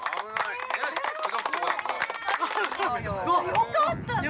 よかったねぇ。